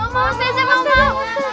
mau mau ustadzah mau mau